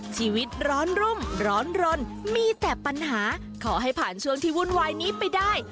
ชีวิตร้อนรุ่มร้อนรนมีแต่ปัญหาขอให้ผ่านช่วงที่วุ่นวายนี้ไปได้